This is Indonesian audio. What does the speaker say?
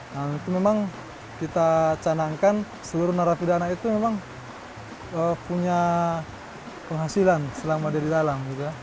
nah itu memang kita canangkan seluruh narapidana itu memang punya penghasilan selama dia di dalam